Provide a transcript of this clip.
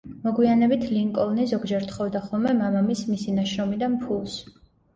მოგვიანებით, ლინკოლნი ზოგჯერ თხოვდა ხოლმე მამამისს მისი ნაშრომიდან ფულს.